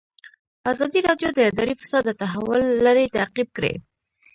ازادي راډیو د اداري فساد د تحول لړۍ تعقیب کړې.